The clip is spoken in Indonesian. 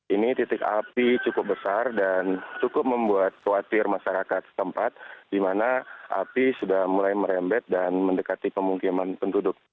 ini titik api cukup besar dan cukup membuat khawatir masyarakat setempat di mana api sudah mulai merembet dan mendekati pemukiman penduduk